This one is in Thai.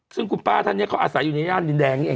ซึ่งคุณพ่าท่านเนี่ยเขาอาศัยอยู่ในนี่ใด